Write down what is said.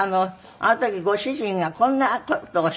あの時ご主人がこんな事おっしゃっていたんです。